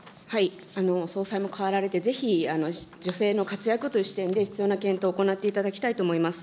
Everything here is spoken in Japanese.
総裁も代わられて、ぜひ、女性の活躍という視点で、必要な検討を行っていただきたいと思います。